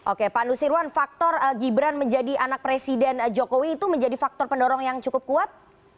oke pak nusirwan faktor gibran menjadi anak presiden jokowi itu menjadi faktor pendorong yang cukup kuat